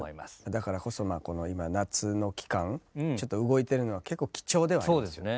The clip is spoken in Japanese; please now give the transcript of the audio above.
だからこそまあこの今夏の期間ちょっと動いてるのは結構貴重ではありますよね。